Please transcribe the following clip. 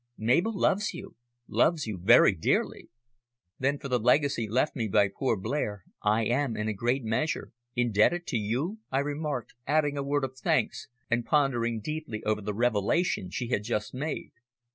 Mabel loves you loves you very dearly." "Then for the legacy left me by poor Blair, I am, in a great measure, indebted to you?" I remarked, adding a word of thanks and pondering deeply over the revelation she had just made.